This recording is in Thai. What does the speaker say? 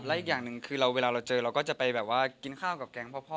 และอีกอย่างหนึ่งคือเวลาเราเจอเราก็จะไปแบบว่ากินข้าวกับแก๊งพ่อ